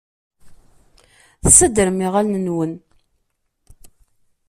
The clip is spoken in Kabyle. Tessadrem iɣallen-nwen.